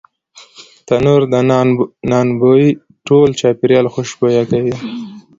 تنور د نان بوی ټول چاپېریال خوشبویه کوي